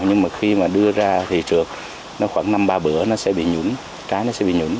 nhưng mà khi mà đưa ra thị trược nó khoảng năm ba bữa nó sẽ bị nhũng trái nó sẽ bị nhũng